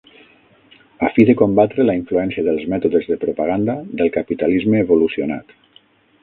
A fi de combatre la influència dels mètodes de propaganda del capitalisme evolucionat.